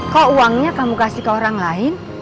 kok uangnya kamu kasih ke orang lain